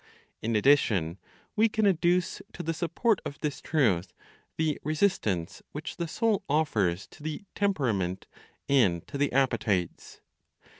In addition, we can adduce to the support of this truth the resistance which the soul offers to the temperament and to the appetites.